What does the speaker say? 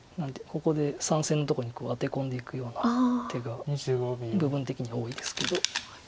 ここで３線のとこにアテ込んでいくような手が部分的には多いですけど。